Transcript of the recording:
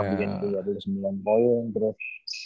nah dia bikin tiga puluh sembilan poin terus